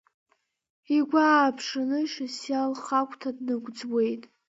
Игәы ааԥшааны Шьасиа лхагәҭа днагәыӡуеит.